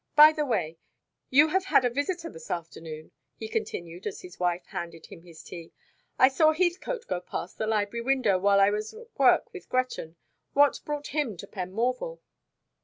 By the way, you have had a visitor this afternoon," he continued, as his wife handed him his tea. "I saw Heathcote go past the library window while I was at work with Gretton. What brought him to Penmorval?"